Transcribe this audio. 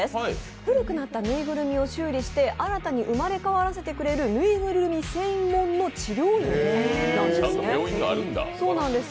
古くなった縫いぐるみを修理して新たに生まれ変わらせてくれる縫いぐるみ専門の治療院なんです。